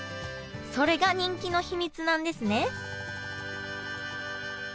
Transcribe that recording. それが人気の秘密なんですね